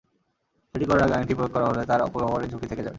সেটি করার আগে আইনটি প্রয়োগ করা হলে তার অপব্যবহারের ঝুঁকি থেকে যাবে।